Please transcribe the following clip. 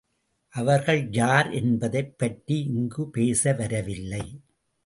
அவள் யார் என்பதைப் பற்றி இங்குப் பேச வரவில்லை.